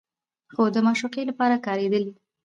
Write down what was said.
خو د معشوقې لپاره کارېدلي